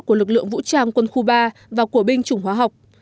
của lực lượng vũ trang quân khu ba và của binh chủng hóa học